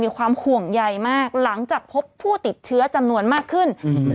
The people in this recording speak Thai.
ความห่วงใยมากหลังจากพบผู้ติดเชื้อจำนวนมากขึ้นอืม